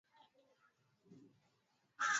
viazi na ugali ni chanzo kikubwa sana cha wanga